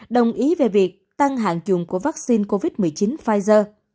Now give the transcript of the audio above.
đồng ý về việc tăng hạn dùng của vaccine